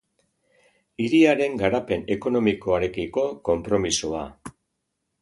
Hiriaren garapen ekonomikoarekiko konpromisoa.